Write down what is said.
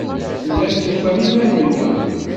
Tellam tufam iman-nwen.